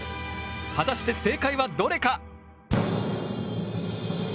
果たして正解はどれか？